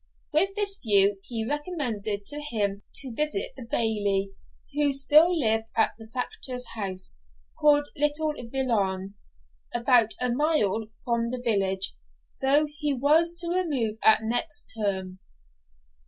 With this view he recommended to him to visit the Bailie, who still lived at the factor's house, called Little Veolan, about a mile from the village, though he was to remove at next term.